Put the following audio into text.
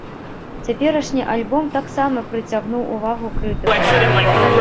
Цяперашні альбом таксама прыцягнуў увагу крытыкаў.